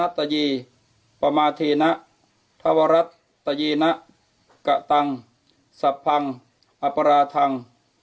รัตนตะเยปะมาเทนะธวรัฐตะเยนะกะตังเสพังอัปโปราทัง